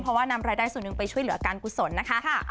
เพราะว่านำรายได้ส่วนหนึ่งไปช่วยเหลือการกุศลนะคะ